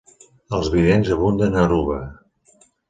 Els vidents abunden a Aruba.